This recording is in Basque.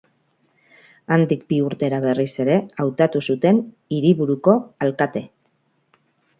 Handik bi urtera berriz ere hautatu zuten hiriburuko alkate.